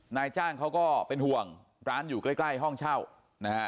นายจ้างเขาก็เป็นห่วงร้านอยู่ใกล้ใกล้ห้องเช่านะฮะ